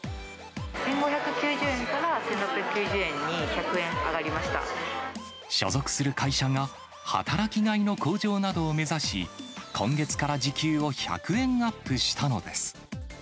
１５９０円から１６９０円に、所属する会社が、働きがいの向上などを目指し、今月から時給を１００円アップしたのです。